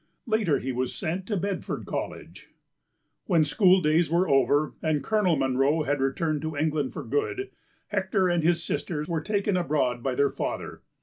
Later he was sent to Bedford College. When school days were over and Colonel Munro had returned to England for good, Hector and his sister were taken abroad by their father.